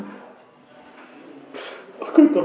aku takut mbak